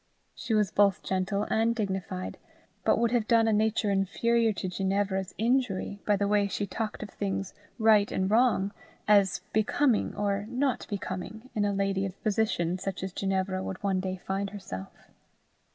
She was both gentle and dignified; but would have done a nature inferior to Ginevra's injury by the way she talked of things right and wrong as becoming or not becoming in a lady of position such as Ginevra would one day find herself.